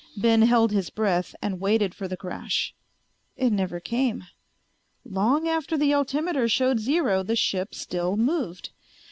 Ben held his breath and waited for the crash. It never came. Long after the altimeter showed zero the ship still moved.